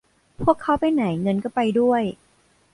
พวกเขาไปไหนเงินก็ไปด้วย